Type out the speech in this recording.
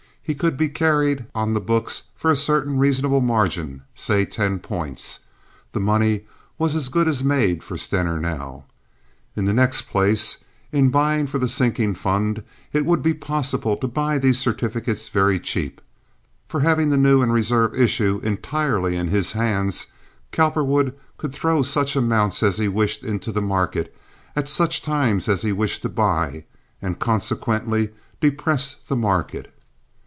He could be carried on the books for a certain reasonable margin, say ten points. The money was as good as made for Stener now. In the next place, in buying for the sinking fund it would be possible to buy these certificates very cheap, for, having the new and reserve issue entirely in his hands, Cowperwood could throw such amounts as he wished into the market at such times as he wished to buy, and consequently depress the market.